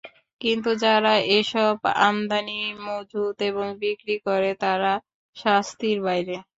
কিন্তু যারা এসব আমদানি, মজুত এবং বিক্রি করে, তারা শাস্তির বাইরে।